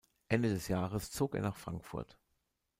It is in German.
Ende des Jahres zog er nach Frankfurt.